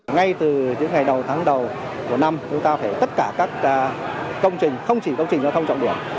ngay từ những ngày đầu tháng đầu của năm chúng ta phải tất cả các công trình không chỉ công trình giao thông trọng điểm